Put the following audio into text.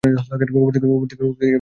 উপর থেকে পড়াকে সফলতা বলে না।